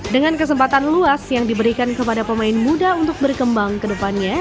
dengan kesempatan luas yang diberikan kepada pemain muda untuk berkembang ke depannya